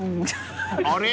［あれ？